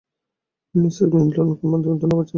Mrs মিল্টনকে আমার ধন্যবাদ জানাচ্ছি।